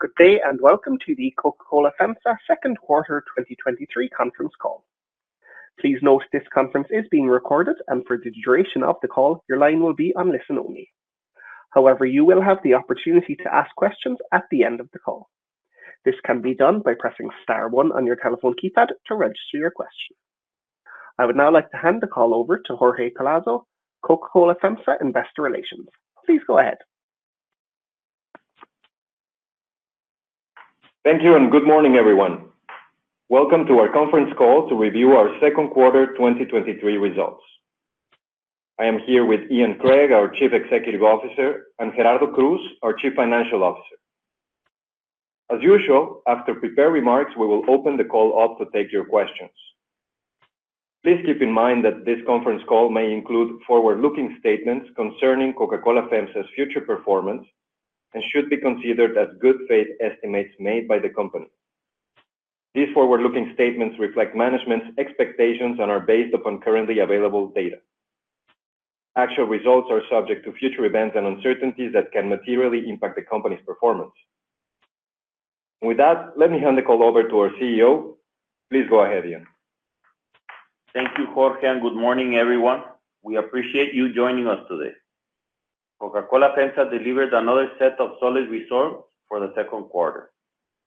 Good day. Welcome to the Coca-Cola FEMSA second quarter 2023 conference call. Please note this conference is being recorded, and for the duration of the call, your line will be on listen only. However, you will have the opportunity to ask questions at the end of the call. This can be done by pressing star one on your telephone keypad to register your question. I would now like to hand the call over to Jorge Collazo, Coca-Cola FEMSA, Investor Relations. Please go ahead. Thank you. Good morning, everyone. Welcome to our conference call to review our second quarter 2023 results. I am here with Ian Craig, our Chief Executive Officer, and Gerardo Cruz, our Chief Financial Officer. As usual, after prepared remarks, we will open the call up to take your questions. Please keep in mind that this conference call may include forward-looking statements concerning Coca-Cola FEMSA's future performance and should be considered as good faith estimates made by the company. These forward-looking statements reflect management's expectations and are based upon currently available data. Actual results are subject to future events and uncertainties that can materially impact the company's performance. With that, let me hand the call over to our CEO. Please go ahead, Ian. Thank you, Jorge. Good morning, everyone. We appreciate you joining us today. Coca-Cola FEMSA delivered another set of solid results for the second quarter.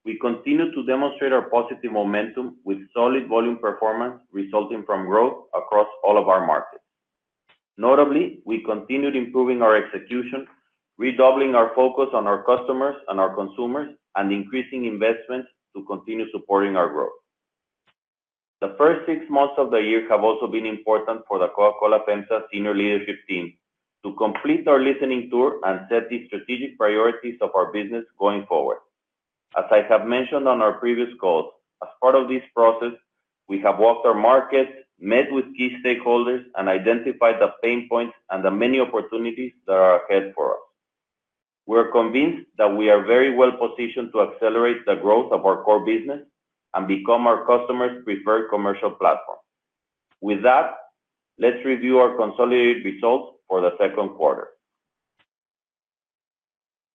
We continue to demonstrate our positive momentum with solid volume performance, resulting from growth across all of our markets. Notably, we continued improving our execution, redoubling our focus on our customers and our consumers, and increasing investments to continue supporting our growth. The first six months of the year have also been important for the Coca-Cola FEMSA senior leadership team to complete our listening tour and set the strategic priorities of our business going forward. As I have mentioned on our previous calls, as part of this process, we have walked our markets, met with key stakeholders, and identified the pain points and the many opportunities that are ahead for us. We are convinced that we are very well positioned to accelerate the growth of our core business and become our customers' preferred commercial platform. With that, let's review our consolidated results for the 2nd quarter.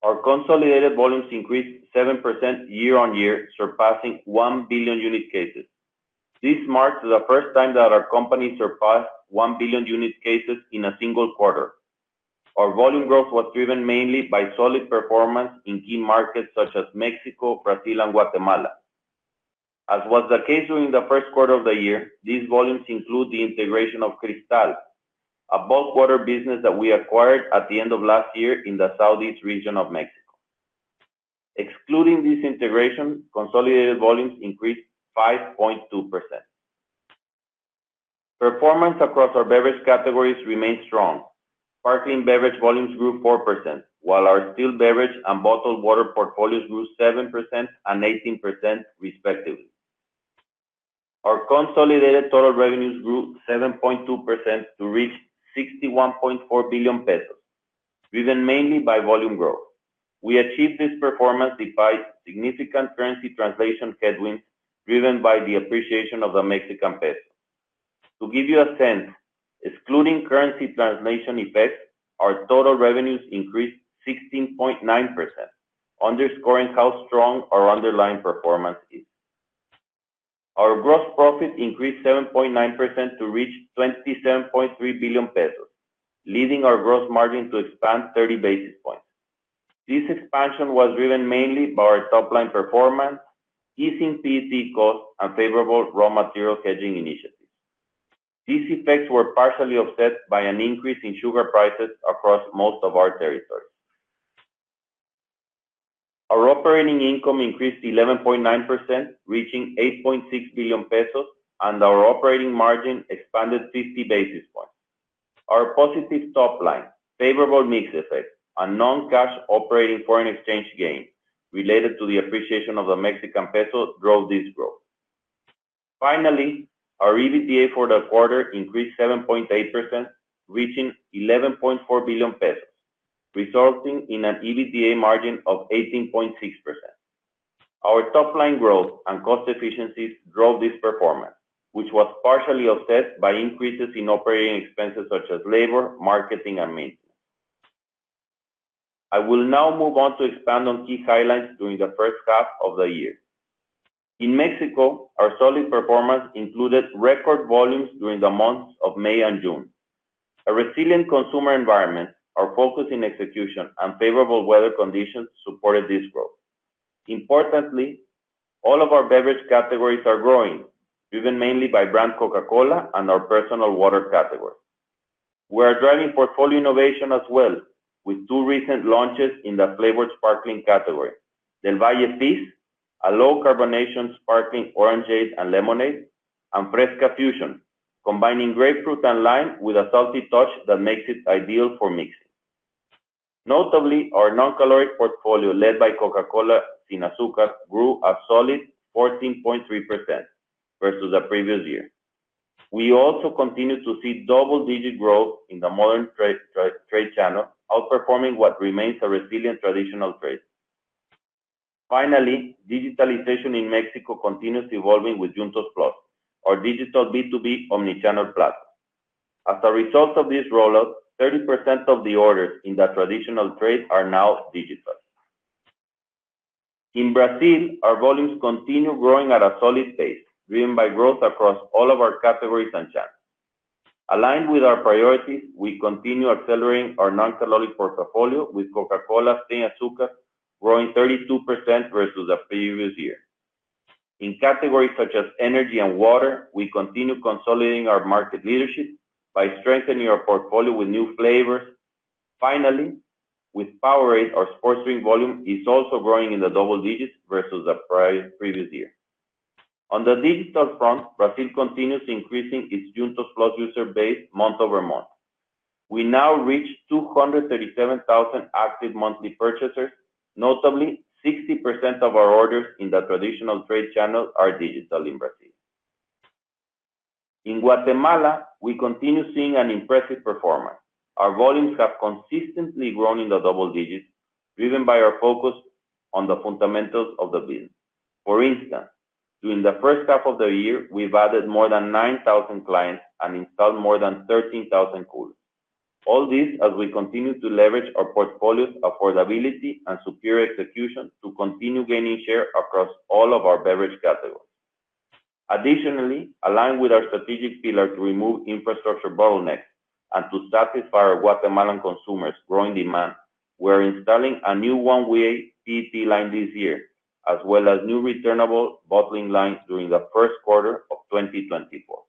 Our consolidated volumes increased 7% year-over-year, surpassing 1 billion unit cases. This marks the 1st time that our company surpassed 1 billion unit cases in a single quarter. Our volume growth was driven mainly by solid performance in key markets such as Mexico, Brazil, and Guatemala. As was the case during the 1st quarter of the year, these volumes include the integration of Cristal, a bulk water business that we acquired at the end of last year in the southeast region of Mexico. Excluding this integration, consolidated volumes increased 5.2%. Performance across our beverage categories remained strong. Sparkling beverage volumes grew 4%, while our still beverage and bottled water portfolios grew 7% and 18%, respectively. Our consolidated total revenues grew 7.2% to reach 61.4 billion pesos, driven mainly by volume growth. We achieved this performance despite significant currency translation headwinds, driven by the appreciation of the Mexican peso. To give you a sense, excluding currency translation effects, our total revenues increased 16.9%, underscoring how strong our underlying performance is. Our gross profit increased 7.9% to reach 27.3 billion pesos, leading our gross margin to expand 30 basis points. This expansion was driven mainly by our top-line performance, easing PET costs, and favorable raw material hedging initiatives. These effects were partially offset by an increase in sugar prices across most of our territories. Our operating income increased 11.9%, reaching 8.6 billion pesos, and our operating margin expanded 50 basis points. Our positive top line, favorable mix effect, and non-cash operating foreign exchange gain related to the appreciation of the Mexican peso, drove this growth. Our EBITDA for the quarter increased 7.8%, reaching 11.4 billion pesos, resulting in an EBITDA margin of 18.6%. Our top-line growth and cost efficiencies drove this performance, which was partially offset by increases in operating expenses such as labor, marketing, and maintenance. I will now move on to expand on key highlights during the first half of the year. In Mexico, our solid performance included record volumes during the months of May and June. A resilient consumer environment, our focus in execution, and favorable weather conditions supported this growth. Importantly, all of our beverage categories are growing, driven mainly by brand Coca-Cola and our personal water category. We are driving portfolio innovation as well, with two recent launches in the flavored sparkling category: Del Valle Fizz, a low carbonation sparkling orangeade and lemonade, and Fresca Fusión, combining grapefruit and lime with a salty touch that makes it ideal for mixing. Notably, our non-caloric portfolio, led by Coca-Cola Sin Azúcar, grew a solid 14.3% versus the previous year. We also continued to see double-digit growth in the modern trade channel, outperforming what remains a resilient traditional trade. Digitalization in Mexico continues evolving with JUNTOS+, our digital B2B omnichannel plus. As a result of this rollout, 30% of the orders in the traditional trade are now digital. In Brazil, our volumes continue growing at a solid pace, driven by growth across all of our categories and channels. Aligned with our priorities, we continue accelerating our non-caloric portfolio, with Coca-Cola Sem Açúcar growing 32% versus the previous year. In categories such as energy and water, we continue consolidating our market leadership by strengthening our portfolio with new flavors. With Powerade, our sports drink volume is also growing in the double digits versus the previous year. On the digital front, Brazil continues increasing its JUNTOS+ user base month-over-month. We now reach 237,000 active monthly purchasers. Notably, 60% of our orders in the traditional trade channel are digital in Brazil. In Guatemala, we continue seeing an impressive performance. Our volumes have consistently grown in the double digits, driven by our focus on the fundamentals of the business. For instance, during the first half of the year, we've added more than 9,000 clients and installed more than 13,000 coolers. All this as we continue to leverage our portfolio's affordability and superior execution to continue gaining share across all of our beverage categories. Aligned with our strategic pillar to remove infrastructure bottlenecks and to satisfy our Guatemalan consumers' growing demand, we are installing a new one-way PET line this year, as well as new returnable bottling lines during the first quarter of 2024.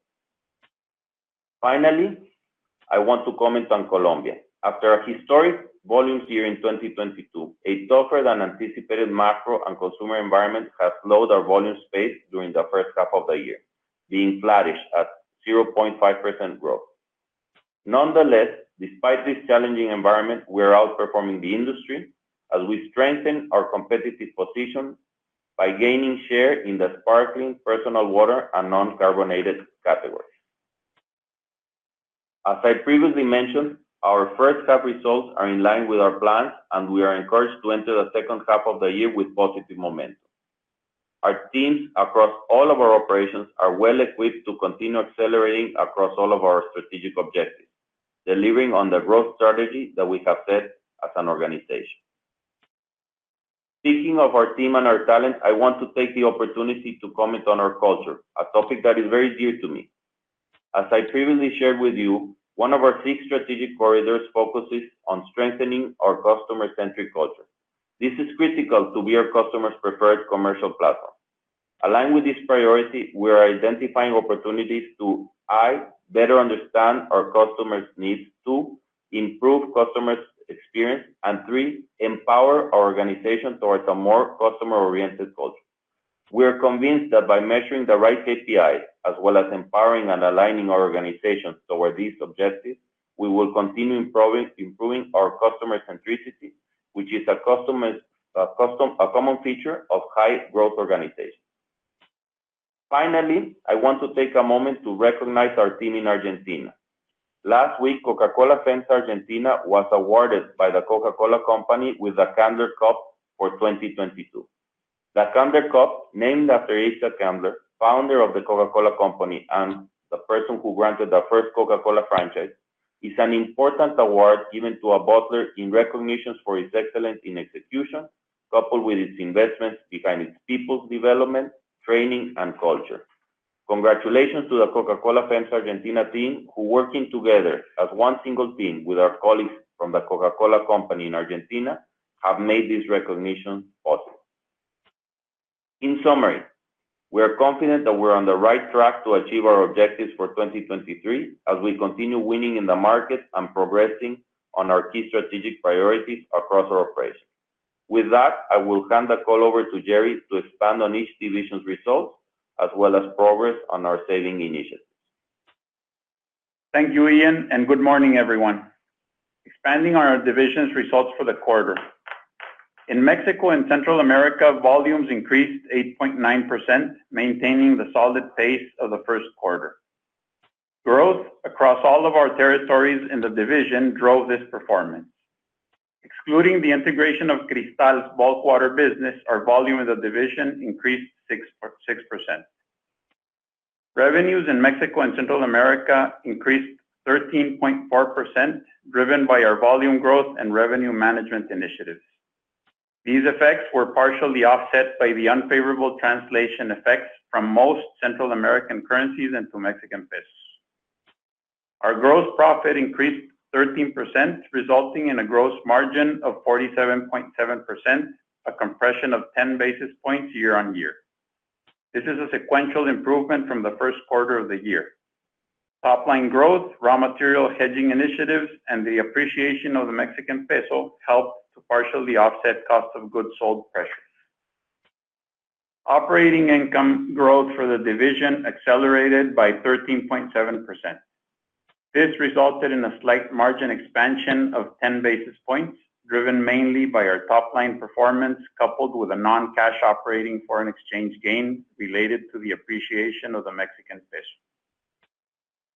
I want to comment on Colombia. After a historic volume year in 2022, a tougher than anticipated macro and consumer environment has slowed our volume space during the first half of the year, being flattish at 0.5% growth. Nonetheless, despite this challenging environment, we are outperforming the industry as we strengthen our competitive position by gaining share in the sparkling, personal water, and non-carbonated categories. As I previously mentioned, our first half results are in line with our plans, and we are encouraged to enter the second half of the year with positive momentum. Our teams across all of our operations are well-equipped to continue accelerating across all of our strategic objectives, delivering on the growth strategy that we have set as an organization. Speaking of our team and our talent, I want to take the opportunity to comment on our culture, a topic that is very dear to me. As I previously shared with you, one of our six strategic corridors focuses on strengthening our customer-centric culture. This is critical to be our customers' preferred commercial platform. Aligned with this priority, we are identifying opportunities to, 1, better understand our customers' needs, 2, improve customers' experience, and 3, empower our organization towards a more customer-oriented culture. We are convinced that by measuring the right KPI, as well as empowering and aligning our organizations toward these objectives, we will continue improving our customer centricity, which is a common feature of high-growth organizations. Finally, I want to take a moment to recognize our team in Argentina. Last week, Coca-Cola FEMSA Argentina was awarded by The Coca-Cola Company with the Candler Cup for 2022. The Candler Cup, named after Asa Candler, founder of The Coca-Cola Company and the person who granted the first Coca-Cola franchise, is an important award given to a bottler in recognition for his excellence in execution, coupled with its investments behind its people's development, training, and culture. Congratulations to the Coca-Cola FEMSA Argentina team, who, working together as one single team with our colleagues from The Coca-Cola Company in Argentina, have made this recognition possible. In summary, we are confident that we're on the right track to achieve our objectives for 2023, as we continue winning in the market and progressing on our key strategic priorities across our operations. With that, I will hand the call over to Gerry to expand on each division's results, as well as progress on our saving initiatives. Thank you, Ian. Good morning, everyone. Expanding on our division's results for the quarter. In Mexico and Central America, volumes increased 8.9%, maintaining the solid pace of the first quarter. Growth across all of our territories in the division drove this performance. Excluding the integration of Cristal's bulk water business, our volume in the division increased 6.6%. Revenues in Mexico and Central America increased 13.4%, driven by our volume growth and revenue management initiatives. These effects were partially offset by the unfavorable translation effects from most Central American currencies into Mexican pesos. Our gross profit increased 13%, resulting in a gross margin of 47.7%, a compression of 10 basis points year-over-year. This is a sequential improvement from the first quarter of the year. Top-line growth, raw material hedging initiatives, and the appreciation of the Mexican peso helped to partially offset cost of goods sold pressures. Operating income growth for the division accelerated by 13.7%. This resulted in a slight margin expansion of 10 basis points, driven mainly by our top-line performance, coupled with a non-cash operating foreign exchange gain related to the appreciation of the Mexican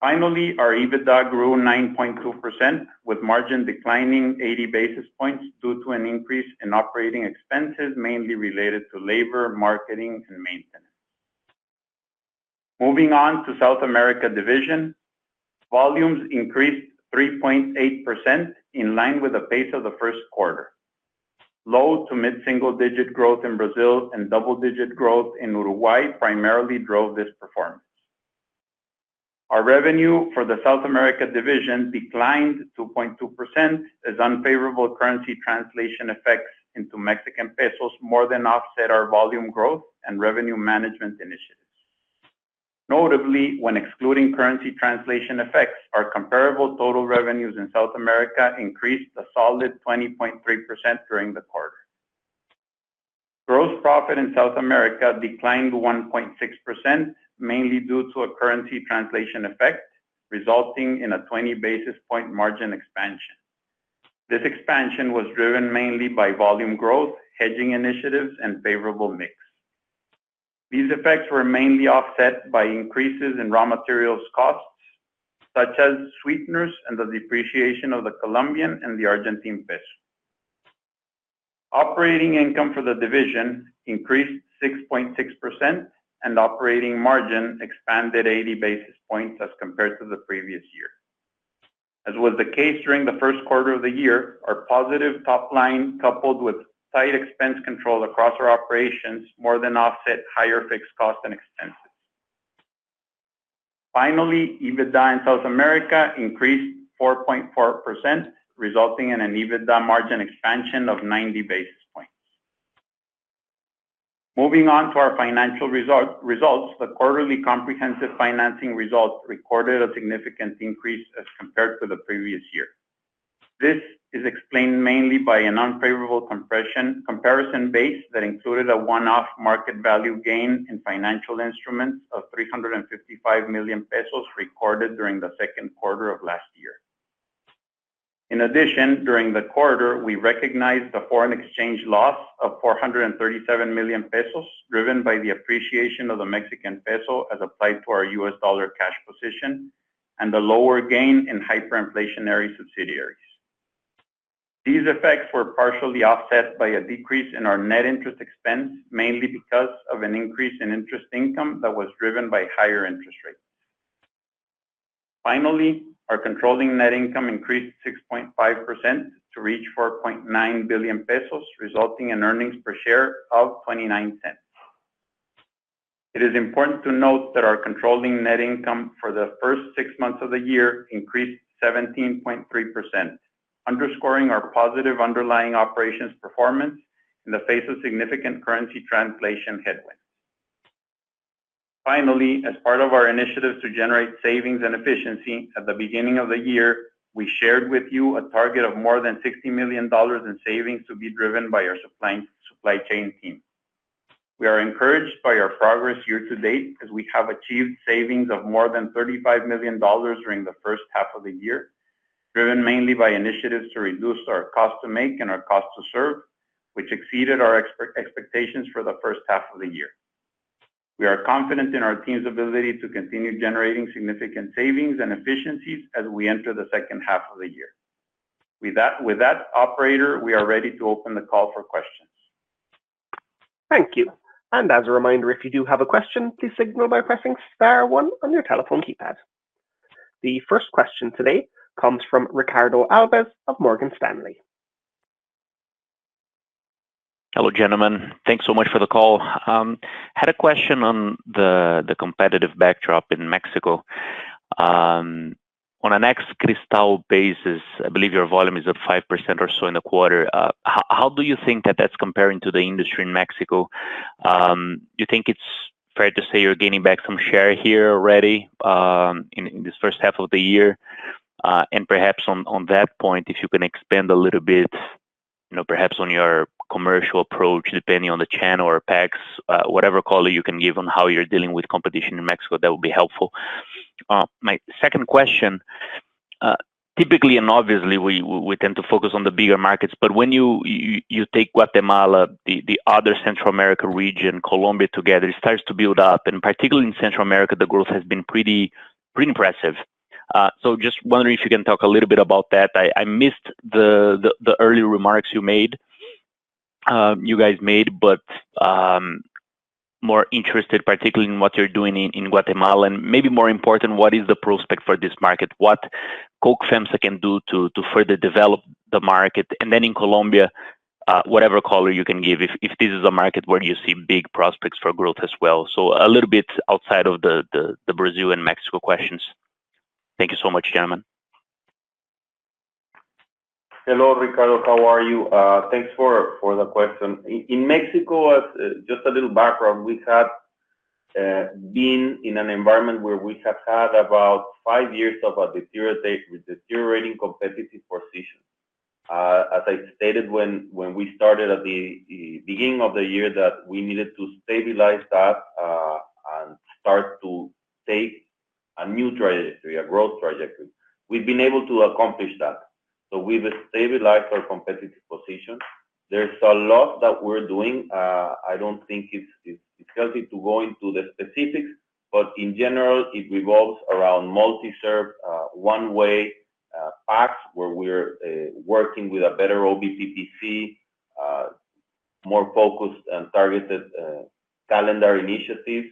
peso. Our EBITDA grew 9.2%, with margin declining 80 basis points due to an increase in operating expenses, mainly related to labor, marketing, and maintenance. Moving on to South America division, volumes increased 3.8%, in line with the pace of the first quarter. Low to mid-single digit growth in Brazil and double-digit growth in Uruguay primarily drove this performance. Our revenue for the South America division declined 2.2%, as unfavorable currency translation effects into Mexican pesos more than offset our volume growth and revenue management initiatives. Notably, when excluding currency translation effects, our comparable total revenues in South America increased a solid 20.3% during the quarter. Gross profit in South America declined 1.6%, mainly due to a currency translation effect, resulting in a 20 basis point margin expansion. This expansion was driven mainly by volume growth, hedging initiatives, and favorable mix. These effects were mainly offset by increases in raw materials costs, such as sweeteners and the depreciation of the Colombian and the Argentine peso. Operating income for the division increased 6.6%, and operating margin expanded 80 basis points as compared to the previous year. As was the case during the first quarter of the year, our positive top line, coupled with tight expense control across our operations, more than offset higher fixed costs and expenses. EBITDA in South America increased 4.4%, resulting in an EBITDA margin expansion of 90 basis points. Moving on to our financial results, the quarterly comprehensive financing results recorded a significant increase as compared to the previous year. This is explained mainly by an unfavorable comparison base that included a one-off market value gain in financial instruments of 355 million pesos recorded during the second quarter of last year. During the quarter, we recognized a foreign exchange loss of 437 million pesos, driven by the appreciation of the Mexican peso as applied to our US dollar cash position and a lower gain in hyperinflationary subsidiaries. These effects were partially offset by a decrease in our net interest expense, mainly because of an increase in interest income that was driven by higher interest rates. Our controlling net income increased 6.5% to reach 4.9 billion pesos, resulting in earnings per share of 0.29. It is important to note that our controlling net income for the first six months of the year increased 17.3%, underscoring our positive underlying operations performance in the face of significant currency translation headwinds. As part of our initiatives to generate savings and efficiency, at the beginning of the year, we shared with you a target of more than $60 million in savings to be driven by our supply chain team. We are encouraged by our progress year to date, as we have achieved savings of more than $35 million during the first half of the year, driven mainly by initiatives to reduce our cost to make and our cost to serve, which exceeded our expectations for the first half of the year. With that, operator, we are ready to open the call for questions. Thank you. As a reminder, if you do have a question, please signal by pressing star one on your telephone keypad. The first question today comes from Ricardo Alves of Morgan Stanley. Hello, gentlemen. Thanks so much for the call. Had a question on the competitive backdrop in Mexico. On an ex Cristal basis, I believe your volume is up 5% or so in the quarter. How do you think that that's comparing to the industry in Mexico? Do you think it's fair to say you're gaining back some share here already, in this first half of the year? Perhaps on that point, if you can expand a little bit, you know, perhaps on your commercial approach, depending on the channel or packs, whatever color you can give on how you're dealing with competition in Mexico, that would be helpful. My second question, typically, and obviously we tend to focus on the bigger markets, but when you take Guatemala, the other Central America region, Colombia together, it starts to build up, and particularly in Central America, the growth has been pretty impressive. Just wondering if you can talk a little bit about that. I missed the early remarks you made, you guys made, but more interested, particularly in what you're doing in Guatemala, and maybe more important, what is the prospect for this market? What Coke FEMSA can do to further develop the market? Then in Colombia, whatever color you can give, if this is a market where you see big prospects for growth as well. A little bit outside of the Brazil and Mexico questions. Thank you so much, gentlemen. Hello, Ricardo. How are you? Thanks for the question. In Mexico, as just a little background, we have been in an environment where we have had about five years of a deteriorating competitive position. As I stated when we started at the beginning of the year, that we needed to stabilize that and start to take a new trajectory, a growth trajectory. We've been able to accomplish that. We've stabilized our competitive position. There's a lot that we're doing. I don't think it's difficult to go into the specifics. In general, it revolves around multi-serve, one way.... packs, where we're working with a better OBPC, more focused and targeted calendar initiatives.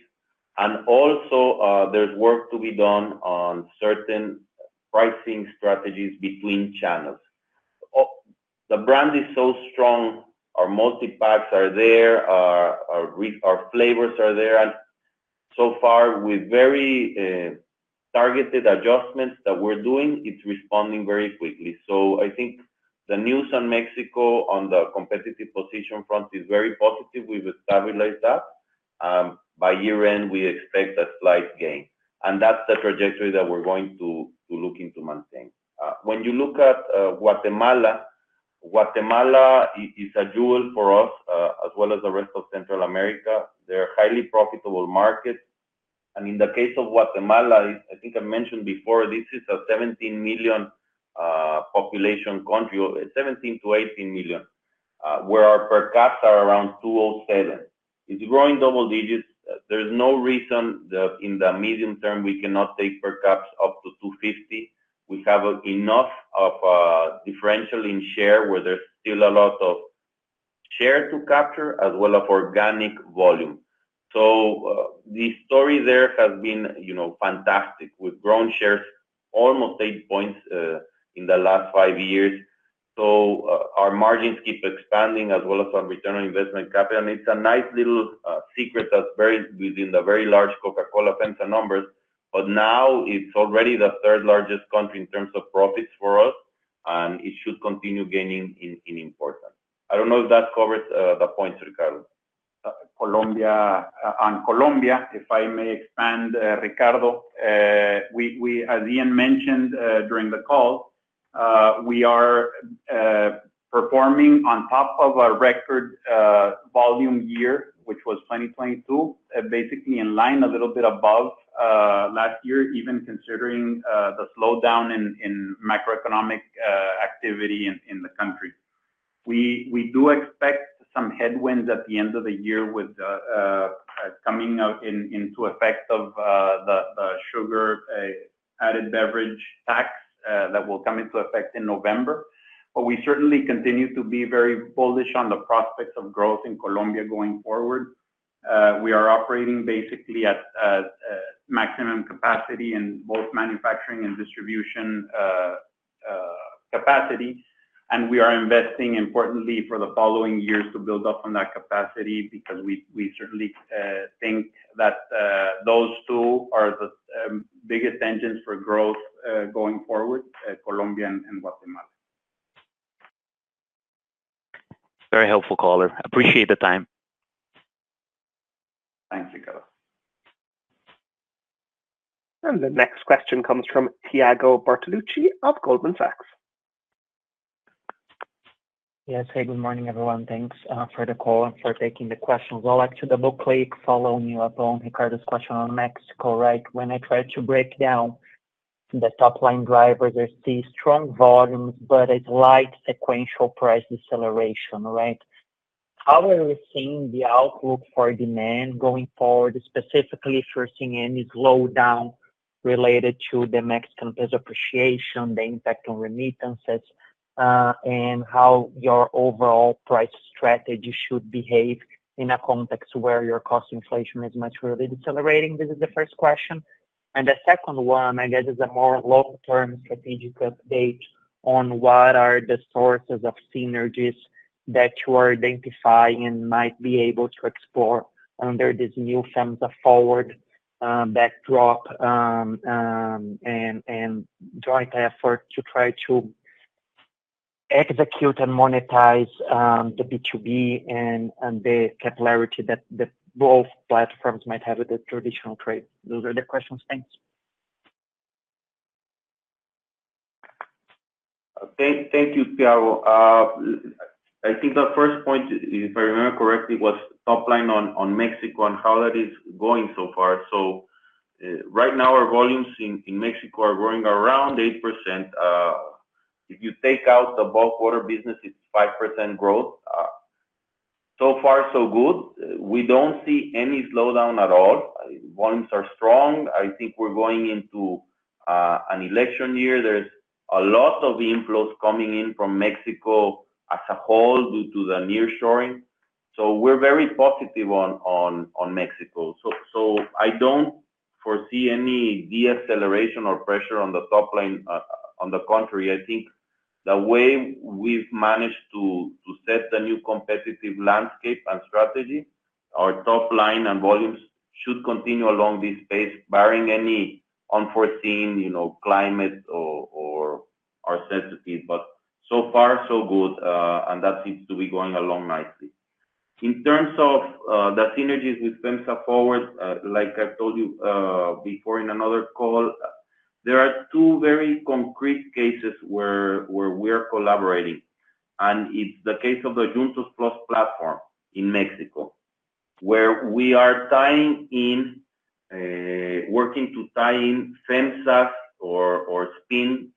Also, there's work to be done on certain pricing strategies between channels. The brand is so strong, our multipacks are there, our, our flavors are there, and so far, with very targeted adjustments that we're doing, it's responding very quickly. I think the news on Mexico, on the competitive position front, is very positive. We will stabilize that. By year-end, we expect a slight gain, and that's the trajectory that we're going to look into maintaining. When you look at Guatemala is a jewel for us, as well as the rest of Central America. They're a highly profitable market. In the case of Guatemala, I think I mentioned before, this is a 17 million population country, 17 million-18 million, where our per caps are around 207. It's growing double digits. There's no reason that in the medium term, we cannot take per caps up to 250. We have enough of a differential in share, where there's still a lot of share to capture, as well as organic volume. The story there has been, you know, fantastic. We've grown shares almost 8 points in the last 5 years. Our margins keep expanding, as well as our return on investment capital. It's a nice little secret that's very within the very large Coca-Cola FEMSA numbers, but now it's already the third largest country in terms of profits for us, and it should continue gaining in importance. I don't know if that covers the points, Ricardo. Colombia, on Colombia, if I may expand, Ricardo, we, as Ian mentioned during the call, we are performing on top of our record volume year, which was 2022, basically in line, a little bit above last year, even considering the slowdown in macroeconomic activity in the country. We do expect some headwinds at the end of the year with the coming out into effect of the sugar added beverage tax that will come into effect in November. We certainly continue to be very bullish on the prospects of growth in Colombia going forward. We are operating basically at maximum capacity in both manufacturing and distribution capacity, and we are investing importantly for the following years to build up on that capacity because we certainly think that those two are the biggest engines for growth going forward, Colombia and Guatemala. Very helpful call. I appreciate the time. Thanks, Ricardo. The next question comes from Thiago Bortoluci of Goldman Sachs. Yes. Hey, good morning, everyone. Thanks for the call and for taking the questions. Well, actually, to double click, following you up on Ricardo's question on Mexico, right? When I try to break down the top-line drivers, I see strong volumes, but a slight sequential price deceleration, right? How are we seeing the outlook for demand going forward, specifically if you're seeing any slowdown related to the Mexican peso appreciation, the impact on remittances, and how your overall price strategy should behave in a context where your cost inflation is much really decelerating? This is the first question. The second one, I guess, is a more long-term strategic update on what are the sources of synergies that you are identifying and might be able to explore under this new FEMSA Forward backdrop and joint effort to try to execute and monetize the B2B and the capability that both platforms might have with the traditional trade. Those are the questions. Thanks. Thank you, Gerry. I think the first point, if I remember correctly, was top line on Mexico and how that is going so far. Right now, our volumes in Mexico are growing around 8%. If you take out the bulk water business, it's 5% growth. So far so good. We don't see any slowdown at all. Volumes are strong. I think we're going into an election year. There's a lot of inflows coming in from Mexico as a whole due to the nearshoring. We're very positive on Mexico. I don't foresee any deceleration or pressure on the top line. On the contrary, I think the way we've managed to set the new competitive landscape and strategy, our top line and volumes should continue along this pace, barring any unforeseen, you know, climate or adversity. So far so good, and that seems to be going along nicely. In terms of the synergies with FEMSA Forward, like I told you before in another call, there are two very concrete cases where we are collaborating, and it's the case of the JUNTOS+ platform in Mexico, where we are tying in working to tie in FEMSA's or Spin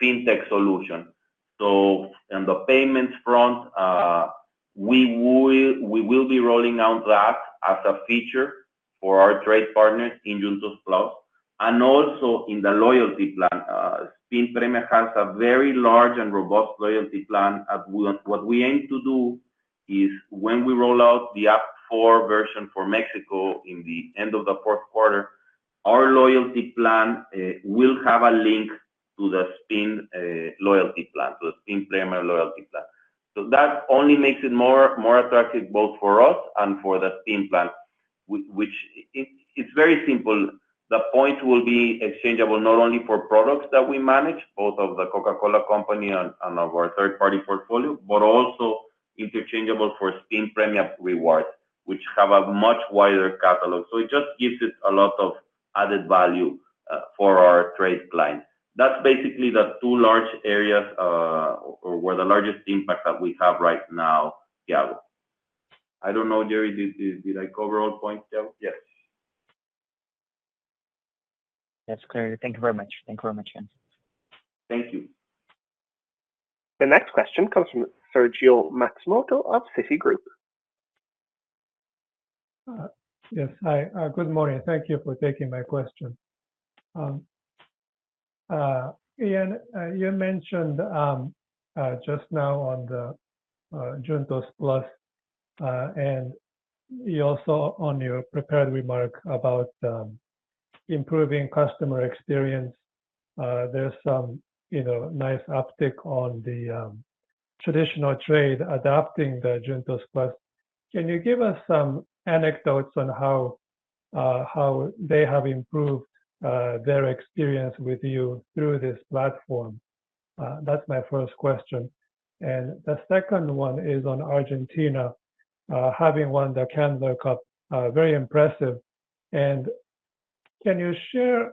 fintech solution. On the payments front, we will be rolling out that as a feature for our trade partners in JUNTOS+, and also in the loyalty plan. Spin Premia has a very large and robust loyalty plan, and we, what we aim to do is when we roll out the app for version for Mexico in the end of the fourth quarter, our loyalty plan will have a link to the Spin loyalty plan, so the Spin Premia loyalty plan. That only makes it more attractive both for us and for the Spin plan, which it's very simple. The points will be exchangeable not only for products that we manage, both of The Coca-Cola Company and of our third-party portfolio, but also interchangeable for Spin Premia rewards, which have a much wider catalog. It just gives it a lot of added value for our trade clients. That's basically the two large areas or where the largest impact that we have right now, yeah. I don't know, Thiago, did I cover all points though? Yes. Yes, clear. Thank you very much. Thank you very much, Ian. Thank you. The next question comes from Sergio Matsumoto of Citigroup. Yes, hi. Good morning. Thank you for taking my question. Ian, you mentioned just now on the JUNTOS+ and you also on your prepared remark about improving customer experience. There's some, you know, nice uptick on the traditional trade adapting the JUNTOS+. Can you give us some anecdotes on how they have improved their experience with you through this platform? That's my first question. The second one is on Argentina, having won the Candler Cup, very impressive. Can you share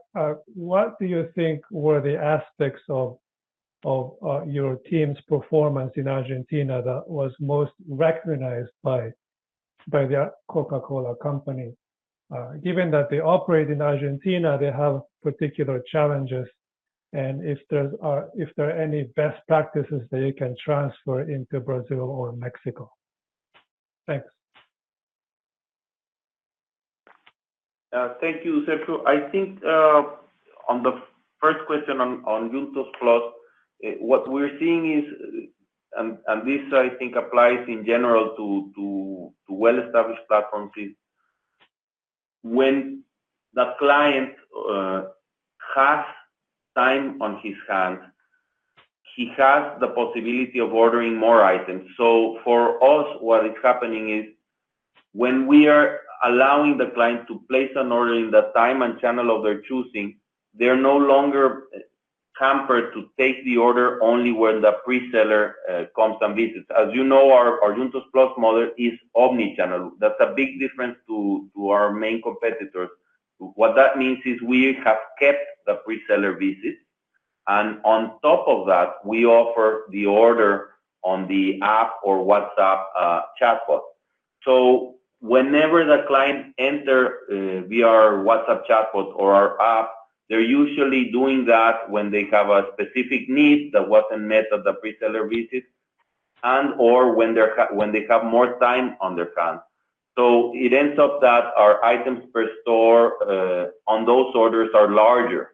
what do you think were the aspects of your team's performance in Argentina that was most recognized by The Coca-Cola Company? Given that they operate in Argentina, they have particular challenges, and if there's, if there are any best practices that you can transfer into Brazil or Mexico. Thanks. Thank you, Sergio. I think, on the first question on JUNTOS+, what we're seeing is, and this I think applies in general to well-established platforms, is when the client has time on his hands, he has the possibility of ordering more items. For us, what is happening is, when we are allowing the client to place an order in the time and channel of their choosing, they're no longer hampered to take the order only when the preseller comes and visits. As you know, our JUNTOS+ model is omnichannel. That's a big difference to our main competitors. What that means is we have kept the preseller visits, and on top of that, we offer the order on the app or WhatsApp chatbot. Whenever the client enter via our WhatsApp chatbot or our app, they're usually doing that when they have a specific need that wasn't met at the preseller visit and/or when they have more time on their hands. It ends up that our items per store on those orders are larger.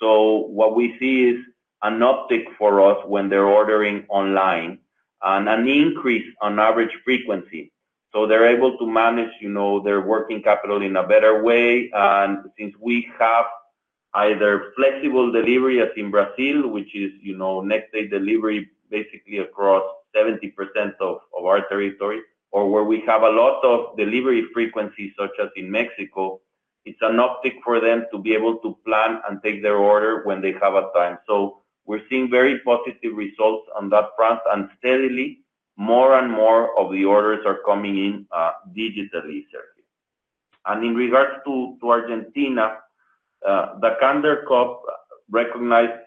What we see is an uptick for us when they're ordering online and an increase on average frequency. They're able to manage, you know, their working capital in a better way. Since we have either flexible deliveries in Brazil, which is, you know, next-day delivery basically across 70% of our territory, or where we have a lot of delivery frequency, such as in Mexico, it's an uptick for them to be able to plan and take their order when they have a time. We're seeing very positive results on that front, and steadily, more and more of the orders are coming in digitally, Sergio. In regards to Argentina, the Candler Cup recognized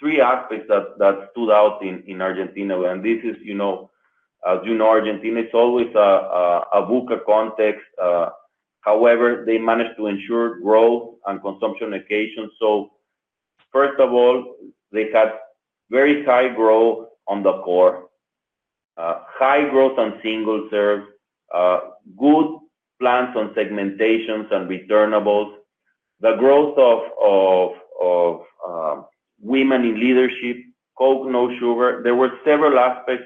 three aspects that stood out in Argentina, and this is, you know, as you know, Argentina, it's always a VUCA context. However, they managed to ensure growth and consumption occasions. First of all, they had very high growth on the core, high growth on single serve, good plans on segmentations and returnables, the growth of women in leadership, Coke No Sugar. There were several aspects,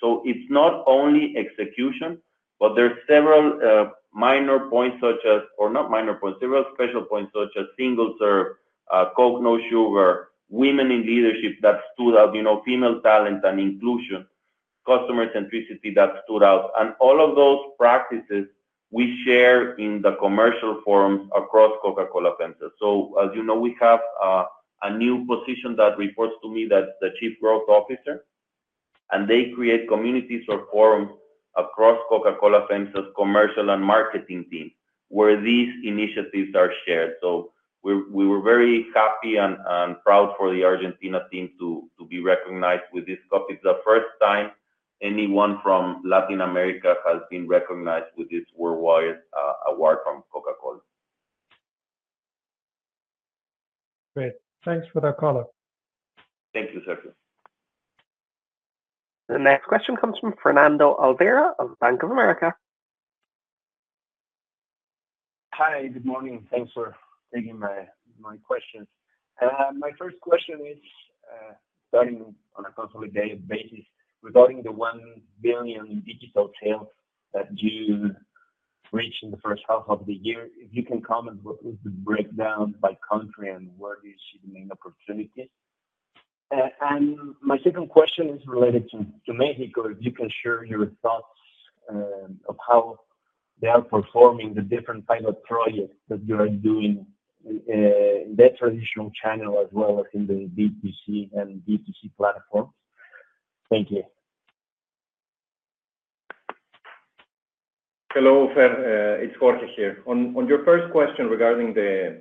so it's not only execution, but there are several minor points such as... Not minor points, several special points such as single serve, Coke No Sugar, women in leadership that stood out, you know, female talent and inclusion, customer centricity that stood out. All of those practices we share in the commercial forums across Coca-Cola FEMSA. As you know, we have a new position that reports to me, that's the Chief Growth Officer, and they create communities or forums across Coca-Cola FEMSA's commercial and marketing team, where these initiatives are shared. We were very happy and proud for the Argentina team to be recognized with this cup. It's the first time anyone from Latin America has been recognized with this worldwide award from Coca-Cola. Great. Thanks for the call. Thank you, sir. The next question comes from Fernando Olvera of Bank of America. Hi, good morning. Thanks for taking my question. My first question is, starting on a consolidated basis, regarding the 1 billion in digital sales that you reached in the first half of the year, if you can comment with the breakdown by country and where you see the main opportunities. My second question is related to Mexico. If you can share your thoughts of how they are performing the different pilot projects that you are doing in their traditional channel, as well as in the B2C and D2C platforms. Thank you. Hello, Fer. It's Jorge here. On your first question regarding the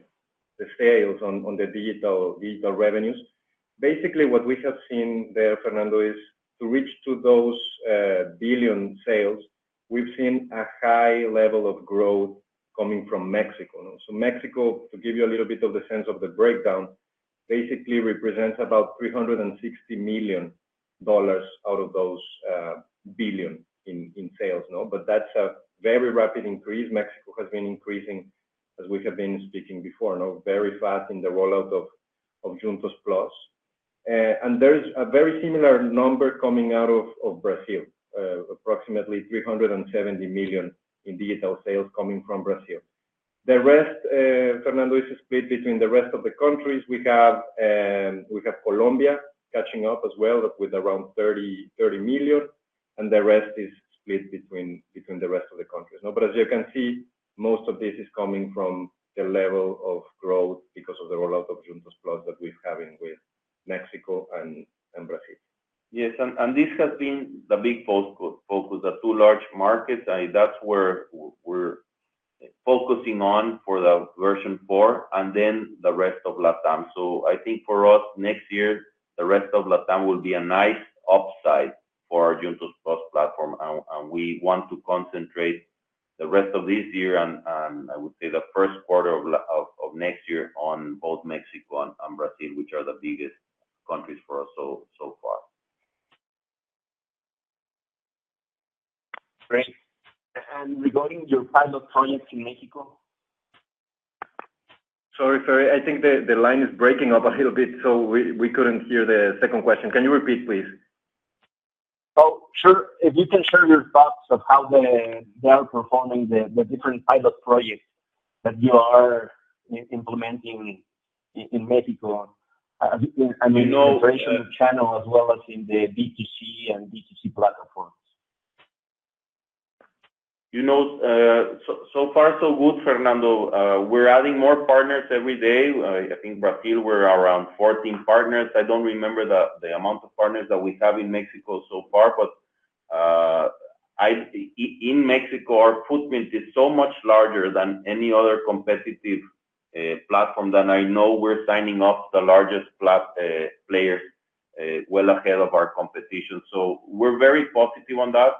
sales on the digital revenues, basically what we have seen there, Fernando, is to reach to those $1 billion sales, we've seen a high level of growth coming from Mexico. Mexico, to give you a little bit of the sense of the breakdown, basically represents about $360 million out of those $1 billion in sales, no? That's a very rapid increase. Mexico has been increasing, as we have been speaking before, no, very fast in the rollout of JUNTOS+. There is a very similar number coming out of Brazil, approximately $370 million in digital sales coming from Brazil. The rest, Fernando, is split between the rest of the countries. We have, we have Colombia catching up as well with around 30 million, and the rest is split between the rest of the countries. As you can see, most of this is coming from the level of growth because of the rollout of Juntos Plus that we're having with Mexico and Brazil. Yes, and this has been the big focus, the two large markets. That's where we're focusing on for the version four and then the rest of Latam. I think for us, next year, the rest of Latam will be a nice upside for our Juntos Plus platform, and we want to concentrate the rest of this year, and I would say the first quarter of next year on both Mexico and Brazil, which are the biggest countries for us so far. Great. Regarding your pilot projects in Mexico? Sorry, Fer, I think the line is breaking up a little bit. We couldn't hear the second question. Can you repeat, please? Oh, sure. If you can share your thoughts of how they are performing the different pilot projects that you are implementing in Mexico... You know.... channel, as well as in the B2C and D2C platforms. You know, so far, so good, Fernando Olvera. We're adding more partners every day. I think Brazil, we're around 14 partners. I don't remember the amount of partners that we have in Mexico so far, but, in Mexico, our footprint is so much larger than any other competitive platform, than I know we're signing up the largest players, well ahead of our competition. We're very positive on that.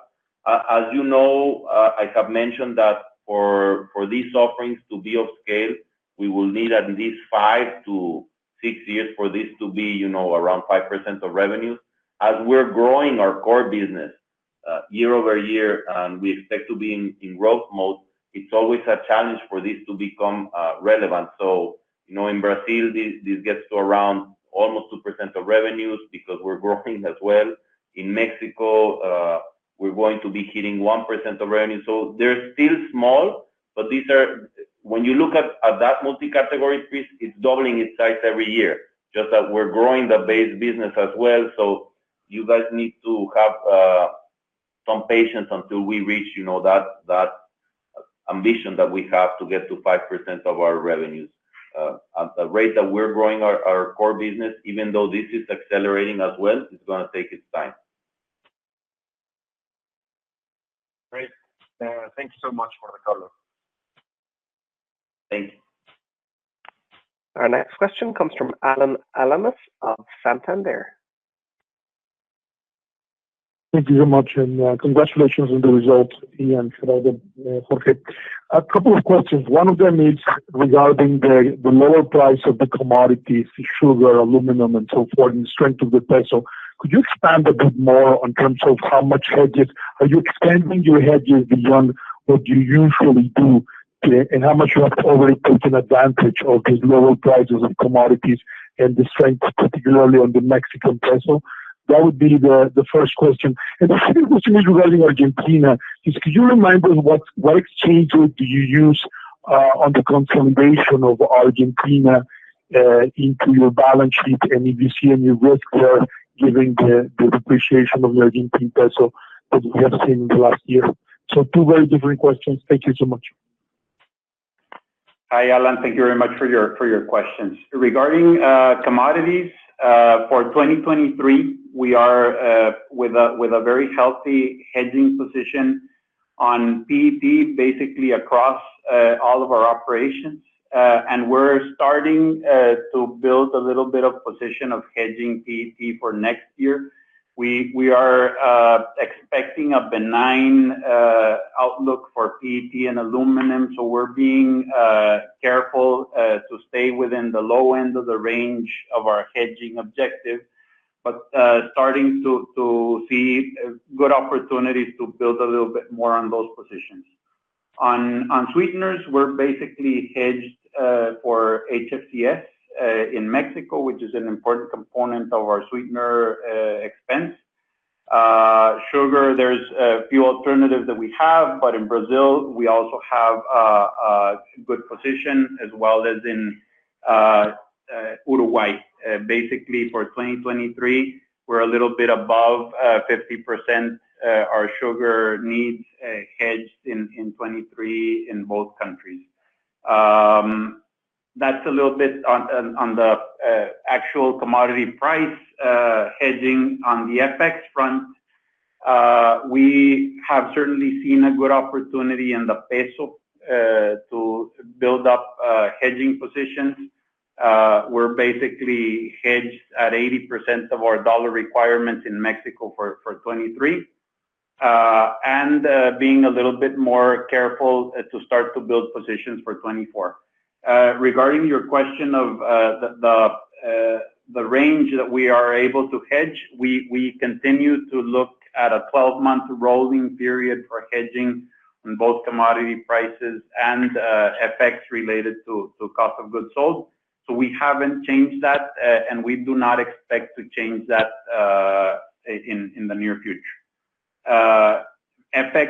As you know, I have mentioned that for these offerings to be of scale, we will need at least five to six years for this to be, you know, around 5% of revenues. As we're growing our core business, year-over-year, and we expect to be in growth mode, it's always a challenge for this to become relevant. You know, in Brazil, this gets to around almost 2% of revenues because we're growing as well. In Mexico, we're going to be hitting 1% of revenue. They're still small, but when you look at that multi-category piece, it's doubling its size every year, just that we're growing the base business as well. You guys need to have some patience until we reach, you know, that ambition that we have to get to 5% of our revenues. At the rate that we're growing our core business, even though this is accelerating as well, it's gonna take its time. Great. Thank you so much for the call. Thank you. Our next question comes from Alan Alanis of Santander. Thank you very much, and congratulations on the results, Ian, Fernando, Jorge. A couple of questions. One of them is regarding the lower price of the commodities, sugar, aluminum, and so forth, and the strength of the peso. Could you expand a bit more in terms of how much hedges? Are you expanding your hedges beyond what you usually do, and how much you have already taken advantage of these lower prices of commodities and the strength, particularly on the Mexican peso? That would be the first question. The second question is regarding Argentina, is could you remind us what exchange rate do you use, on the consolidation of Argentina into your balance sheet and ABC, and your risk there, given the depreciation of the Argentine peso that we have seen in the last year? Two very different questions. Thank you so much. Hi, Alan. Thank you very much for your questions. Regarding commodities for 2023, we are with a very healthy hedging position on PET, basically across all of our operations. We're starting to build a little bit of position of hedging PET for next year.... We are expecting a benign outlook for PET and aluminum, so we're being careful to stay within the low end of the range of our hedging objective, but starting to see good opportunities to build a little bit more on those positions. On sweeteners, we're basically hedged for HFCS in Mexico, which is an important component of our sweetener expense. Sugar, there's a few alternatives that we have, but in Brazil, we also have a good position, as well as in Uruguay. Basically for 2023, we're a little bit above 50% our sugar needs hedged in 2023 in both countries. That's a little bit on the actual commodity price. Hedging on the FX front, we have certainly seen a good opportunity in the peso to build up hedging positions. We're basically hedged at 80% of our dollar requirements in Mexico for 2023, and being a little bit more careful to start to build positions for 2024. Regarding your question of the range that we are able to hedge, we continue to look at a 12-month rolling period for hedging on both commodity prices and FX related to cost of goods sold. We haven't changed that, and we do not expect to change that in the near future. FX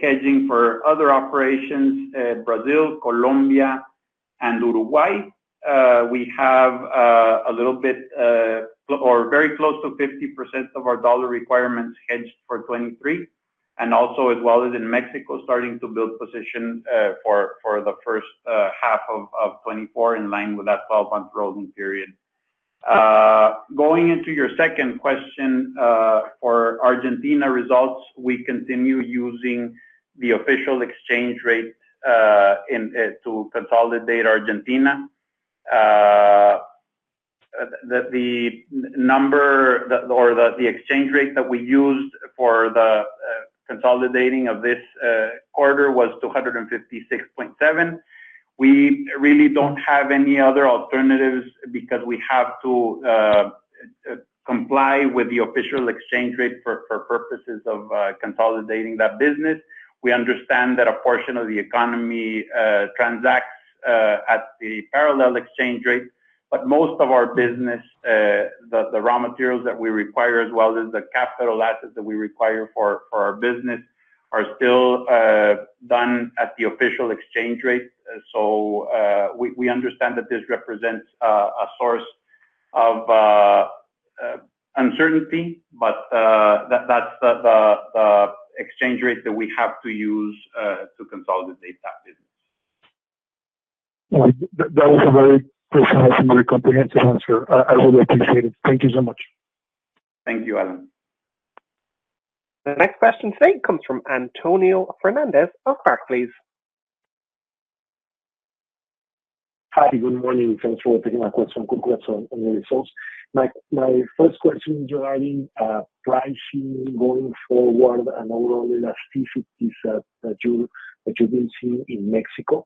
hedging for other operations, Brazil, Colombia, and Uruguay, we have a little bit or very close to 50% of our dollar requirements hedged for 2023, and also as well as in Mexico, starting to build position for the first half of 2024, in line with that 12-month rolling period. Going into your second question, for Argentina results, we continue using the official exchange rate to consolidate Argentina. The exchange rate that we used for the consolidating of this quarter was 256.7. We really don't have any other alternatives, because we have to comply with the official exchange rate for purposes of consolidating that business. We understand that a portion of the economy transacts at the parallel exchange rate. Most of our business, the raw materials that we require, as well as the capital assets that we require for our business, are still done at the official exchange rate. We understand that this represents a source of uncertainty, but that's the exchange rate that we have to use to consolidate that business. Well, that was a very precise and very comprehensive answer. I really appreciate it. Thank you so much. Thank you, Alan. The next question today comes from Antonio Fernandez of Barclays. Hi, good morning. Thanks for taking my question. Congrats on the results. My first question regarding pricing going forward and overall elasticities that you've been seeing in Mexico.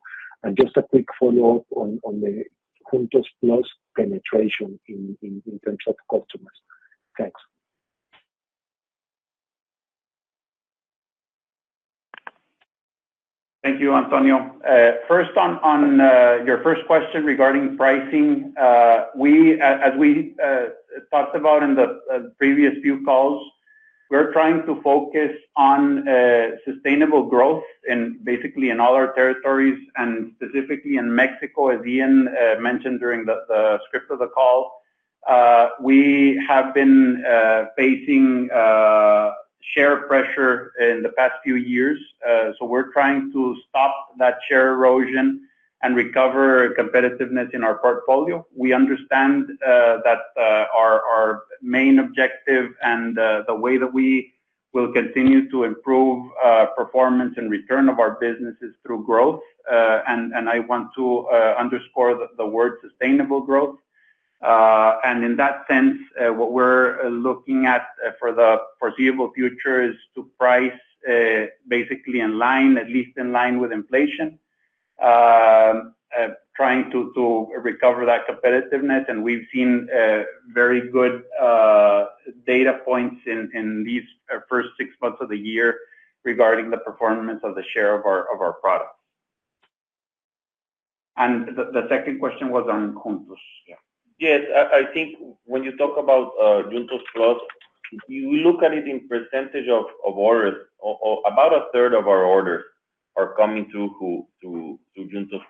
Just a quick follow-up on the JUNTOS+ penetration in terms of customers. Thanks. Thank you, Antonio. First on your first question regarding pricing, we, as we talked about in the previous few calls, we're trying to focus on sustainable growth in basically in all our territories, and specifically in Mexico, as Ian mentioned during the script of the call. We have been facing share pressure in the past few years. We're trying to stop that share erosion and recover competitiveness in our portfolio. We understand that our main objective and the way that we will continue to improve performance and return of our business is through growth. I want to underscore the word sustainable growth. In that sense, what we're looking at for the foreseeable future is to price basically in line, at least in line with inflation. Trying to recover that competitiveness, and we've seen very good data points in these first six months of the year regarding the performance of the share of our products. The second question was on JUNTOS+? Yes, I think when you talk about JUNTOS+, you look at it in percentage of orders, about a third of our orders are coming through JUNTOS+.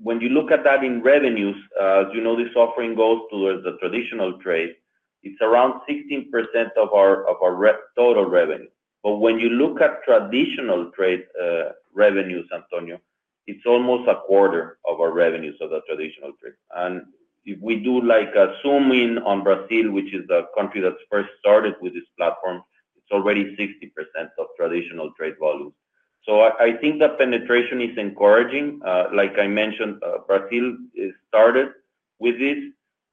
When you look at that in revenues, as you know, this offering goes towards the traditional trade. It's around 16% of our total revenue. When you look at traditional trade, revenues, Antonio, it's almost a quarter of our revenues of the traditional trade. If we do like a zoom in on Brazil, which is the country that first started with this platform, it's already 60% of traditional trade volumes. I think the penetration is encouraging. Like I mentioned, Brazil is started with this,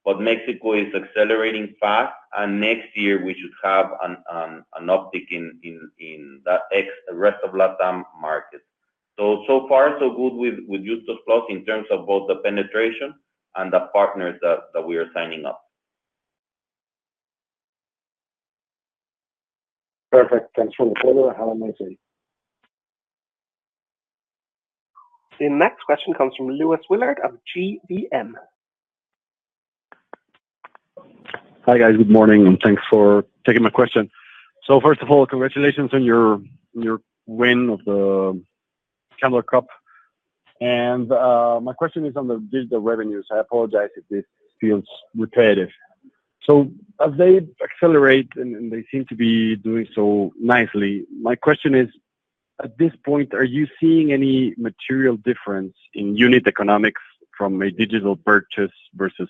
but Mexico is accelerating fast, and next year, we should have an uptick in the rest of LatAm market. So far so good with JUNTOS+ in terms of both the penetration and the partners that we are signing up. Perfect. Thanks for the follow. Have a nice day. The next question comes from Luis Willard of GBM. Hi, guys. Good morning, and thanks for taking my question. First of all, congratulations on your win of the Candler Cup. My question is on the digital revenues. I apologize if this feels repetitive. As they accelerate, and they seem to be doing so nicely, my question is, at this point, are you seeing any material difference in unit economics from a digital purchase versus,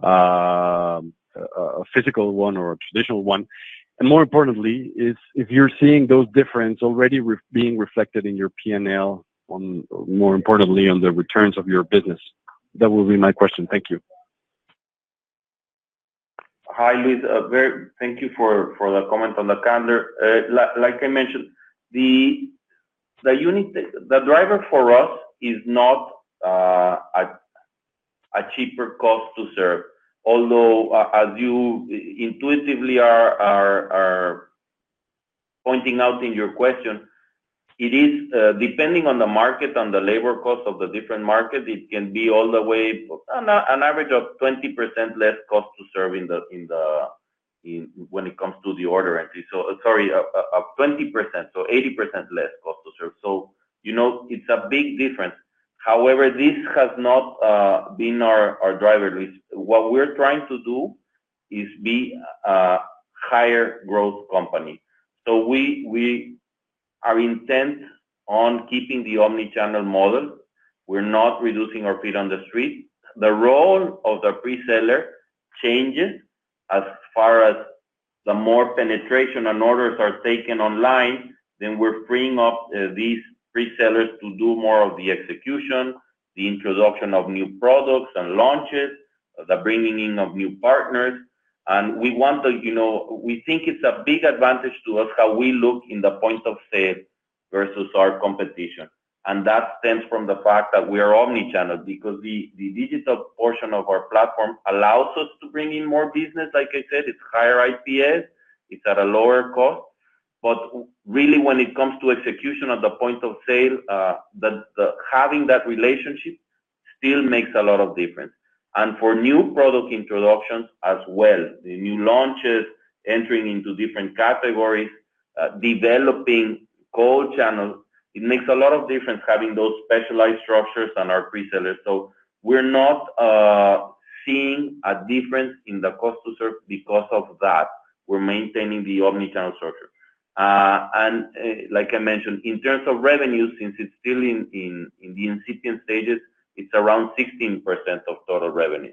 a physical one or a traditional one? More importantly, is if you're seeing those difference already being reflected in your PNL on, more importantly, on the returns of your business? That would be my question. Thank you. Hi, Luis. Thank you for the comment on the Candler. Like I mentioned, the unit. The driver for us is not a cheaper cost to serve. As you intuitively are pointing out in your question, it is, depending on the market, on the labor cost of the different market, it can be all the way, an average of 20% less cost to serve in the when it comes to the order entry. Sorry, a 20%, so 80% less cost to serve. You know, it's a big difference. However, this has not been our driver, Luis. What we're trying to do is be a higher growth company. We are intent on keeping the omni-channel model. We're not reducing our feet on the street. The role of the preseller changes as far as the more penetration and orders are taken online, then we're freeing up these presellers to do more of the execution, the introduction of new products and launches, the bringing in of new partners. We want to, you know, we think it's a big advantage to us how we look in the point of sale versus our competition, and that stems from the fact that we are omni-channel. The digital portion of our platform allows us to bring in more business. Like I said, it's higher IPS, it's at a lower cost. Really, when it comes to execution at the point of sale, the having that relationship still makes a lot of difference. For new product introductions as well, the new launches, entering into different categories, developing co-channels, it makes a lot of difference having those specialized structures and our presellers. We're not seeing a difference in the cost to serve because of that. We're maintaining the omni-channel structure. Like I mentioned, in terms of revenue, since it's still in the incipient stages, it's around 16% of total revenue.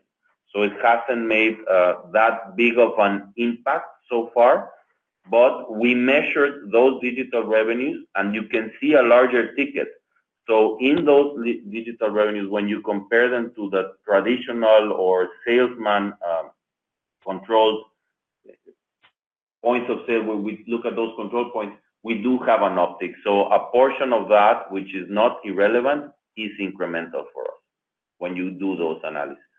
It hasn't made that big of an impact so far, but we measured those digital revenues, and you can see a larger ticket. In those digital revenues, when you compare them to the traditional or salesman controlled points of sale, when we look at those control points, we do have an uptick. A portion of that, which is not irrelevant, is incremental for us when you do those analysis.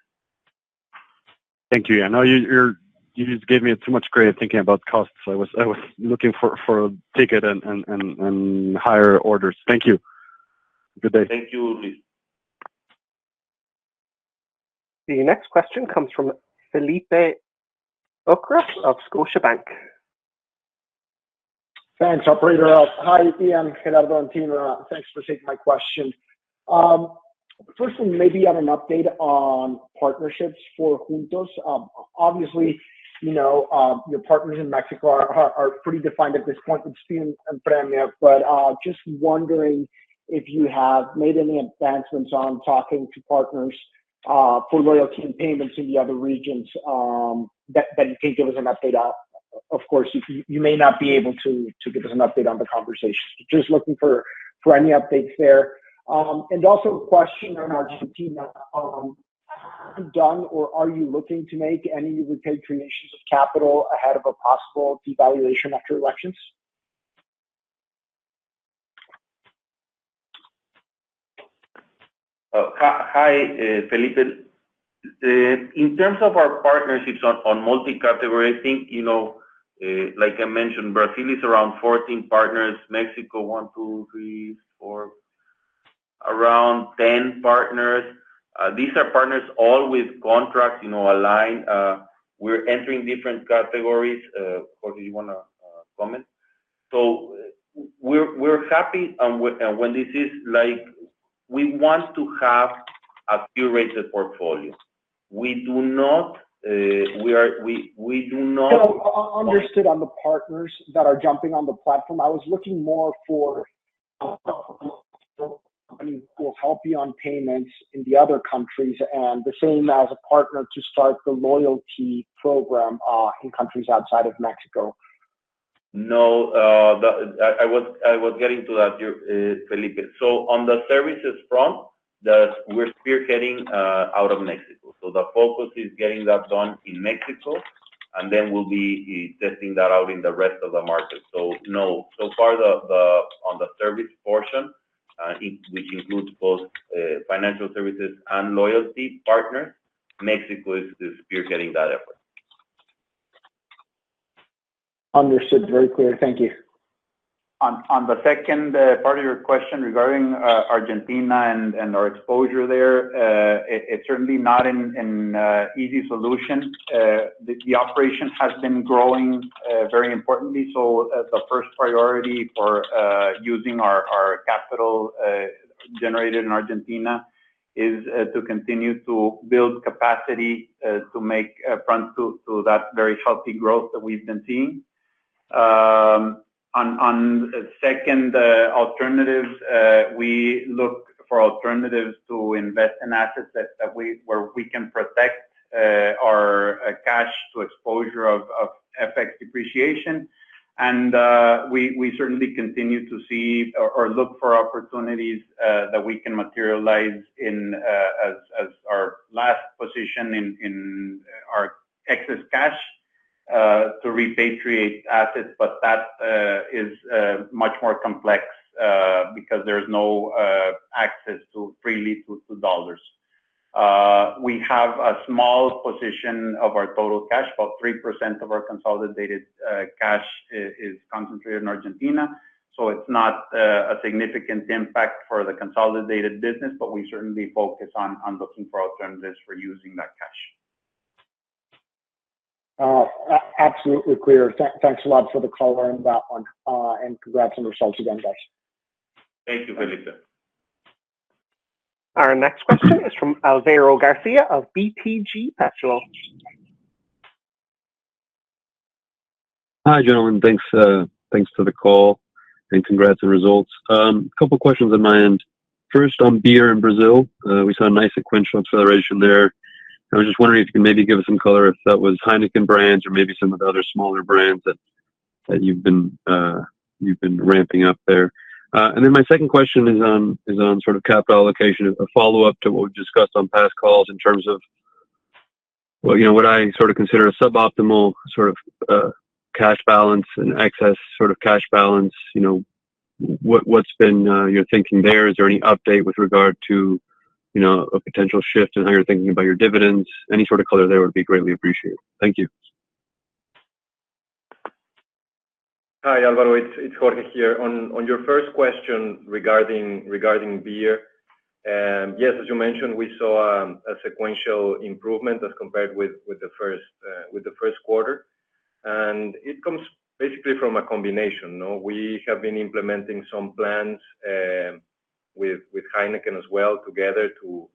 Thank you. I know you just gave me too much credit thinking about costs, I was looking for a ticket and higher orders. Thank you. Good day. Thank you, Luis. The next question comes from Felipe Ucros of Scotiabank. Thanks, operator. Hi, Ian, Gerardo, and team. Thanks for taking my question. Firstly, maybe I have an update on partnerships for Juntos. Obviously, you know, your partners in Mexico are pretty defined at this point with Spin and Premia, but just wondering if you have made any advancements on talking to partners for loyalty and payments in the other regions that you can give us an update on. Of course, you may not be able to give us an update on the conversations. Just looking for any updates there. Also a question on Argentina. Have you done or are you looking to make any repatriations of capital ahead of a possible devaluation after elections? Hi, Felipe. In terms of our partnerships on multi-category, I think, you know, like I mentioned, Brazil is around 14 partners; Mexico, one, two, three, four, around 10 partners. These are partners all with contracts, you know, aligned. We're entering different categories. Jorge, you wanna comment? We're, we're happy, and when, and when this is, like, we want to have a curated portfolio. We do not. No, understood on the partners that are jumping on the platform. I was looking more for,... company will help you on payments in the other countries, and the same as a partner to start the loyalty program, in countries outside of Mexico? No, I was getting to that, you Felipe. On the services front, we're spearheading out of Mexico. The focus is getting that done in Mexico, and then we'll be testing that out in the rest of the market. No. So far, on the service portion, which includes both financial services and loyalty partner, Mexico is spearheading that effort. Understood. Very clear. Thank you. On the second part of your question regarding Argentina and our exposure there, it's certainly not an easy solution. The operation has been growing very importantly. As a first priority for using our capital generated in Argentina is to continue to build capacity to make front to that very healthy growth that we've been seeing. On second alternatives, we look for alternatives to invest in assets that where we can protect our cash to exposure of FX depreciation. We certainly continue to see or look for opportunities that we can materialize in as our last position in our excess cash to repatriate assets. That is much more complex because there's no access to freely to dollars. We have a small position of our total cash. About 3% of our consolidated cash is concentrated in Argentina, so it's not a significant impact for the consolidated business. We certainly focus on looking for alternatives for using that cash. Absolutely clear. Thanks a lot for the color on that one. Congrats on the results again, guys. Thank you, Felipe. Our next question is from Alvaro Garcia of BTG Pactual. Hi, gentlemen. Thanks, thanks for the call. Congrats on the results. A couple questions on my end. First, on beer in Brazil, we saw a nice sequential acceleration there. I was just wondering if you could maybe give us some color, if that was Heineken brands or maybe some of the other smaller brands that you've been ramping up there. Then my second question is on sort of capital allocation, a follow-up to what we've discussed on past calls in terms of, well, you know, what I sort of consider a suboptimal sort of cash balance and excess sort of cash balance. You know, what's been your thinking there? Is there any update with regard to, you know, a potential shift in how you're thinking about your dividends? Any sort of color there would be greatly appreciated. Thank you. Hi, Alvaro, it's Jorge here. On your first question regarding beer, yes, as you mentioned, we saw a sequential improvement as compared with the first quarter, it comes basically from a combination, no? We have been implementing some plans with Heineken as well together to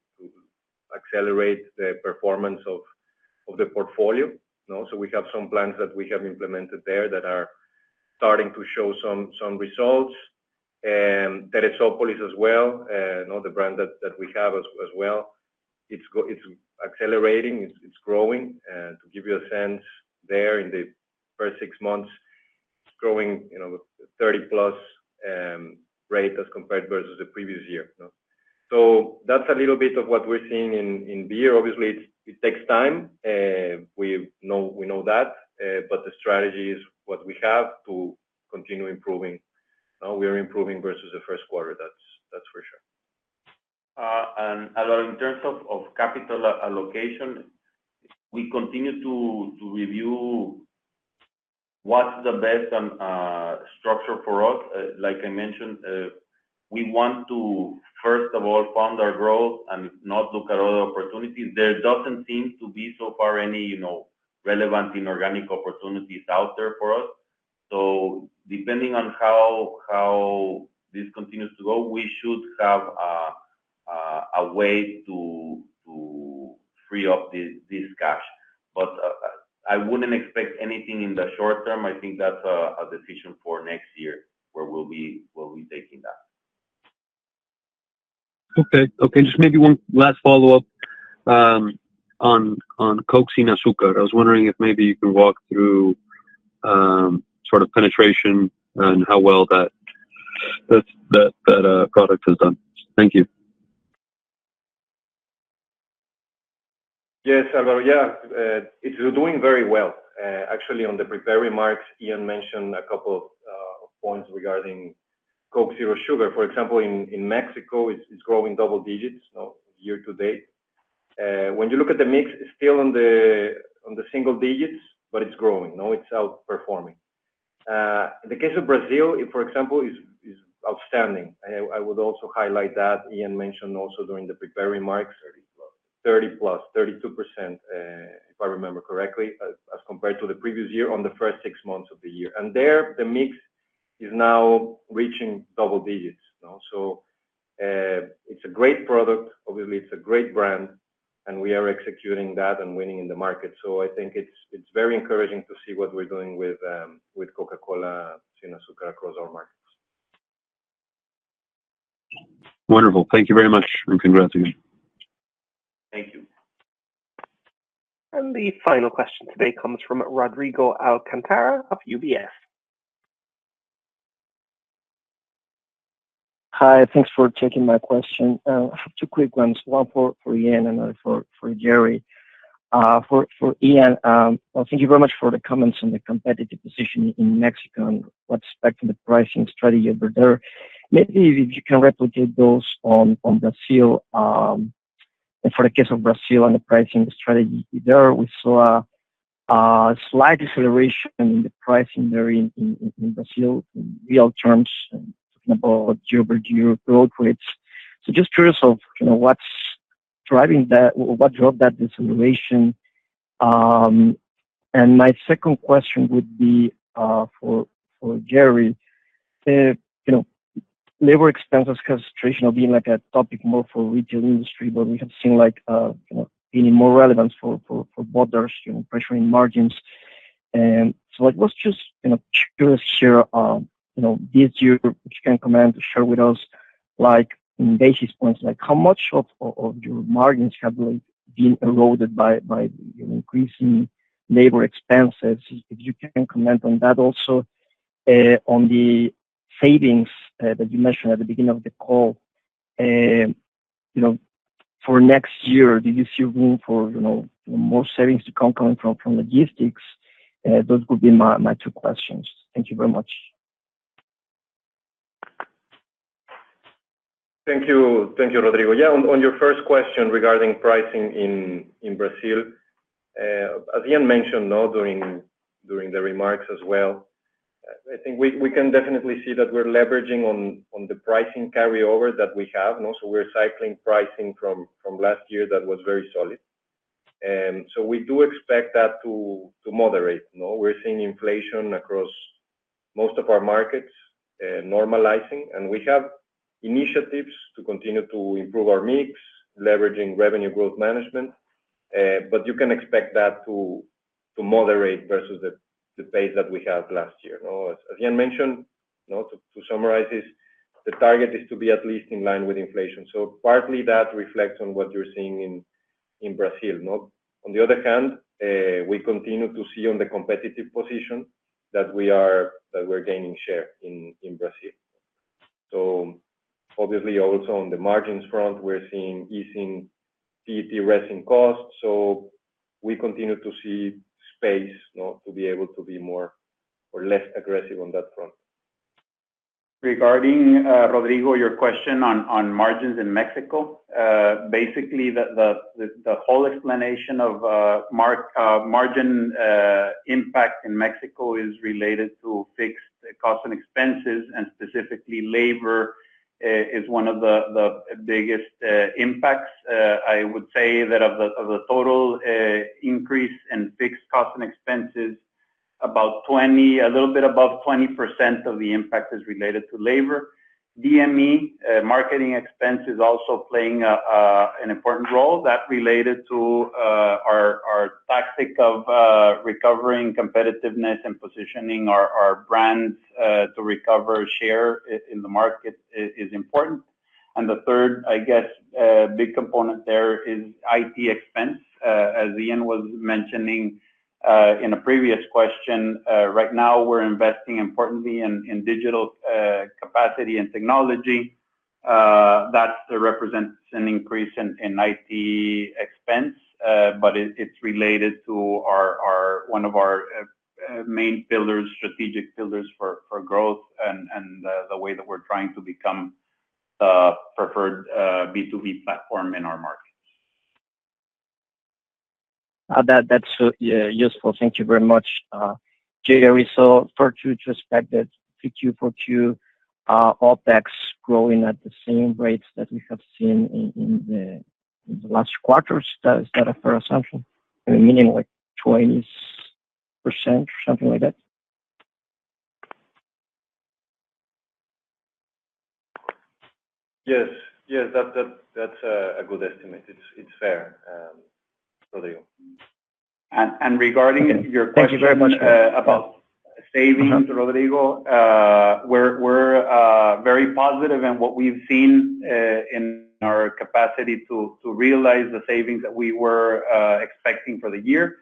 accelerate the performance of the portfolio. You know, we have some plans that we have implemented there that are starting to show some results. Teresópolis as well, another brand that we have as well, it's accelerating, it's growing. To give you a sense there, in the first six months, it's growing, you know, 30 plus rate as compared versus the previous year, you know? That's a little bit of what we're seeing in beer. Obviously, it takes time. We know that. The strategy is what we have to continue improving. We are improving versus the first quarter, that's for sure. Alvaro, in terms of capital allocation, we continue to review what's the best structure for us. Like I mentioned, we want to first of all fund our growth and not look at other opportunities. There doesn't seem to be so far any, you know, relevant inorganic opportunities out there for us. Depending on how this continues to go, we should have a way to free up this cash. I wouldn't expect anything in the short term. I think that's a decision for next year, where we'll be taking that. Okay. Okay, just maybe one last follow-up on Coke Sin Azúcar. I was wondering if maybe you can walk through sort of penetration and how well that product has done. Thank you. Yes, Alvaro. Yeah, it's doing very well. Actually, on the prepared remarks, Ian mentioned a couple of points regarding Coke Zero Sugar. For example, in Mexico, it's growing double digits year-to-date. When you look at the mix, it's still on the single digits, but it's growing. Now it's outperforming. In the case of Brazil, for example, is outstanding. I would also highlight that Ian mentioned also during the prepared remarks. 30 plus.... 30+, 32%, if I remember correctly, as compared to the previous year on the first 6 months of the year. There, the mix is now reaching double digits, you know? It's a great product. Obviously, it's a great brand.... and we are executing that and winning in the market. I think it's very encouraging to see what we're doing with Coca-Cola FEMSA across all markets. Wonderful. Thank you very much, and congratulations. Thank you. The final question today comes from Rodrigo Alcantara of UBS. Hi, thanks for taking my question. Two quick ones. One for Ian, another for Gerry. For Ian, well, thank you very much for the comments on the competitive position in Mexico and what's expecting the pricing strategy over there. Maybe if you can replicate those on Brazil, and for the case of Brazil and the pricing strategy there, we saw a slight deceleration in the pricing there in Brazil, in real terms, talking about year-over-year growth rates. Just curious of, you know, what's driving that, what drove that deceleration? My second question would be for Gerry. You know, labor expenses concentration of being like a topic more for regional industry, but we have seen like, you know, being more relevant for bottlers, you know, pressuring margins. like, let's just, you know, share, you know, this year, if you can come in to share with us, like in basis points, like how much of your margins have like been eroded by increasing labor expenses? If you can comment on that. Also, on the savings that you mentioned at the beginning of the call, you know, for next year, do you see room for, you know, more savings to come from logistics? Those would be my two questions. Thank you very much. Thank you. Thank you, Rodrigo. Yeah, on your first question regarding pricing in Brazil, as Ian mentioned, now during the remarks as well, I think we can definitely see that we're leveraging on the pricing carryover that we have. Also, we're cycling pricing from last year that was very solid. We do expect that to moderate, you know? We're seeing inflation across most of our markets normalizing, and we have initiatives to continue to improve our mix, leveraging revenue growth management. You can expect that to moderate versus the pace that we had last year. As Ian mentioned, you know, to summarize this, the target is to be at least in line with inflation. Partly that reflects on what you're seeing in Brazil, you know? On the other hand, we continue to see on the competitive position that we're gaining share in Brazil. Obviously, also on the margins front, we're seeing easing PET resin costs, we continue to see space, you know, to be able to be more or less aggressive on that front. Regarding Rodrigo, your question on margins in Mexico, basically, the whole explanation of margin impact in Mexico is related to fixed costs and expenses, and specifically, labor is one of the biggest impacts. I would say that of the total increase in fixed costs and expenses, about 20%, a little bit above 20% of the impact is related to labor. DME marketing expense is also playing an important role. That related to our tactic of recovering competitiveness and positioning our brands to recover share in the market is important. The third, I guess, big component there is IT expense. As Ian was mentioning, in a previous question, right now we're investing importantly in digital capacity and technology. That represents an increase in IT expense, but it's related to our... one of our main pillars, strategic pillars for growth and the way that we're trying to become a preferred B2B platform in our markets. That's useful. Thank you very much. Gerry, for you to expect that QoQ OpEx growing at the same rates that we have seen in the last quarters, that is that a fair assumption? I mean, like 20% or something like that? Yes, that's a good estimate. It's fair, Rodrigo. regarding your question. Thank you very much.... about savings, Rodrigo, we're very positive in what we've seen in our capacity to realize the savings that we were expecting for the year.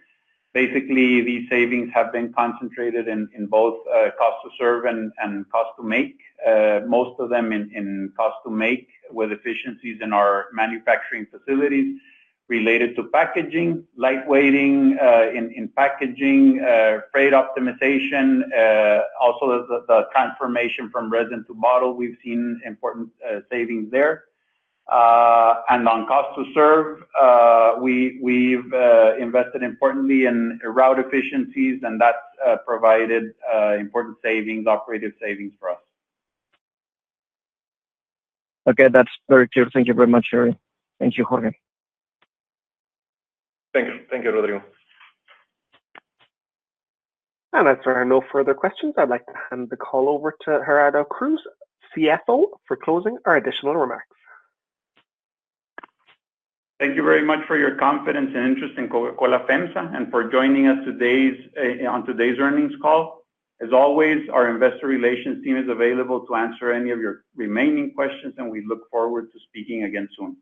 Basically, these savings have been concentrated in both cost to serve and cost to make, most of them in cost to make, with efficiencies in our manufacturing facilities related to packaging, light weighting, in packaging, freight optimization, also the transformation from resin to bottle. We've seen important savings there. On cost to serve, we've invested importantly in route efficiencies, and that's provided important savings, operative savings for us. Okay, that's very clear. Thank you very much, Gerry. Thank you, Jorge. Thanks. Thank you, Rodrigo. As there are no further questions, I'd like to hand the call over to Gerardo Cruz, CFO, for closing or additional remarks. Thank you very much for your confidence and interest in Coca-Cola FEMSA, for joining us on today's earnings call. As always, our investor relations team is available to answer any of your remaining questions, and we look forward to speaking again soon.